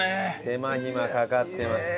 手間ひまかかってます。